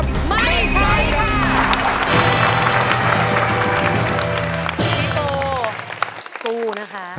พี่ปูสู้นะคะ